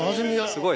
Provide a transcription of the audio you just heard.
すごい。